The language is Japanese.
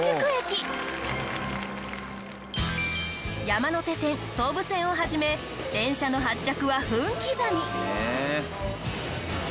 山手線総武線をはじめ電車の発着は分刻み。